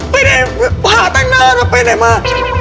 ไปไหนพระอาทิตย์ตั้งนานอะไปไหนมา